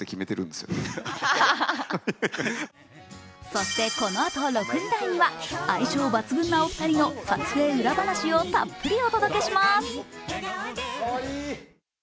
そしてこのあと６時台には、相性抜群な撮影裏話をたっぷりお届けします。